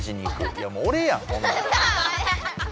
いやもう俺やんこんなん。